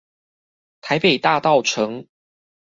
台北大稻埕